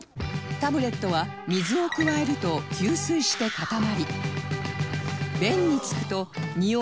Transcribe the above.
タブレットは水を加えると吸水して固まり